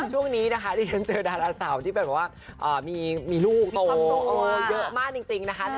ช่วงนี้นะคะที่ฉันเจอดาราสาวที่แบบว่ามีลูกโตเยอะมากจริงนะคะ